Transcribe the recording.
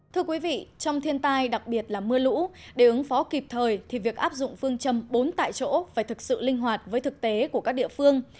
thưa quý vị trong thiên tai đặc biệt là mưa lũ để ứng phó kịp thời thì việc áp dụng phương châm bốn tại chỗ phải thực sự linh hoạt với thực tế của các địa phương